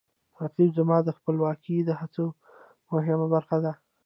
رقیب زما د خپلواکۍ د هڅو مهمه برخه ده